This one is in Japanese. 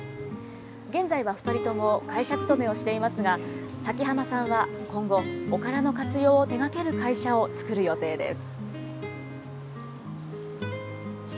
現在は２人とも会社勤めをしていますが、崎濱さんは今後、おからの活用を手がける会社を作る予定です。